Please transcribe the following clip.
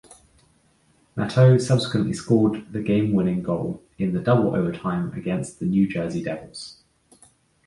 Matteau subsequently scored the game-winning goal in double overtime against the New Jersey Devils.